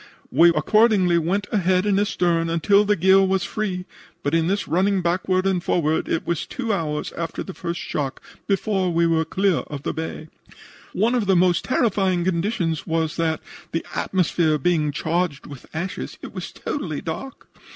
We accordingly went ahead and astern until the gear was free, but in this running backward and forward it was two hours after the first shock before we were clear of the bay. "One of the most terrifying conditions was that, the atmosphere being charged with ashes, it was totally dark.